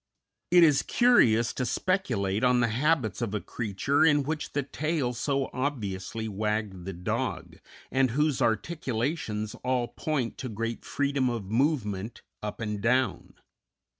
It is curious to speculate on the habits of a creature in which the tail so obviously wagged the dog and whose articulations all point to great freedom of movement up and down.